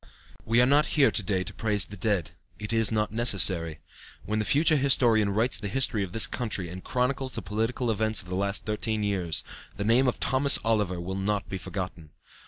"We are not here to day to praise the dead; it is not necessary. When the future historian writes the history of this country and chronicles the political events of the last thirteen years, the name of Thomas Oliver will not be forgotten.